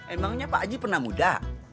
emangnya pak aji pernah muda